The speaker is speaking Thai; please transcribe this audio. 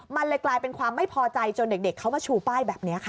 มันเลยกลายเป็นความไม่พอใจจนเด็กเขามาชูป้ายแบบนี้ค่ะ